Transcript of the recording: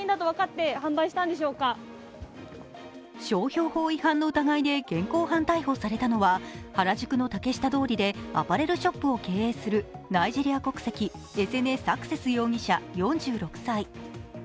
商標法違反の疑いで現行犯逮捕されたのは、原宿の竹下通りでアパレルショップを経営するナイジェリア国籍、エセネ・サクセス容疑者４６歳。